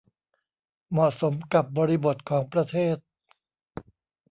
เหมาะสมกับบริบทของประเทศ